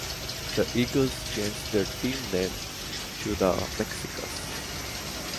The Eagles changed their team name to the Mexicas.